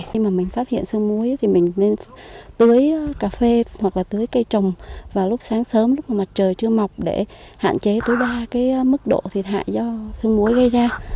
khi mà mình phát hiện sương muối thì mình nên tưới cà phê hoặc là tưới cây trồng vào lúc sáng sớm lúc mà mặt trời chưa mọc để hạn chế tối đa cái mức độ thiệt hại do sương muối gây ra